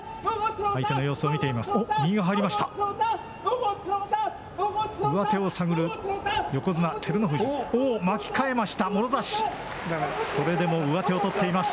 相手の様子を見ています。